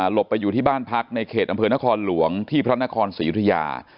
ไปอยู่ที่บ้านพักในเขตอำเภอนครหลวงที่พระนครศรียุธยา